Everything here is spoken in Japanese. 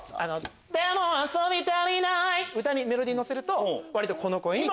でも遊び足りないメロディー乗せると割とこの声に近い。